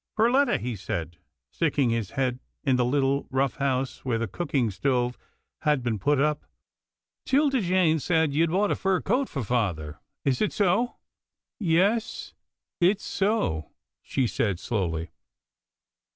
" Perletta," he said, sticking his head in the little, rough house where the cooking stove had been put up, " 'Tilda Jane said you'd bought a fur coat for father — is it so? "" Yes it's so," she said slowly.